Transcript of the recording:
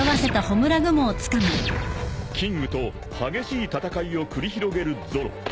［キングと激しい戦いを繰り広げるゾロ］